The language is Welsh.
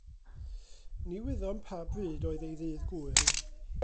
Ni wyddom pa bryd oedd ei ddydd Gŵyl.